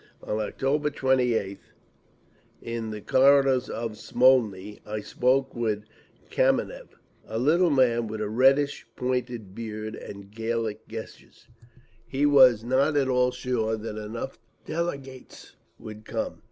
On October 28th, in the corridors of Smolny, I spoke with Kameniev, a little man with a reddish pointed beard and Gallic gestures. He was not at all sure that enough delegates would come.